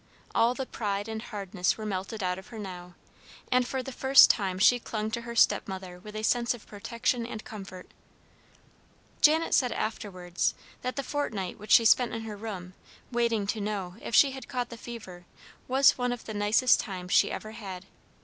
All the pride and hardness were melted out of her now, and for the first time she clung to her stepmother with a sense of protection and comfort. Janet said afterwards, that the fortnight which she spent in her room, waiting to know if she had caught the fever, was one of the nicest times she ever had.